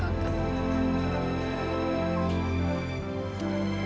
kami percaya sama kakak